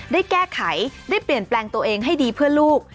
ได้แก้ไขได้เปลี่ยนแปลงตัวเองให้ดีเพื่อลูก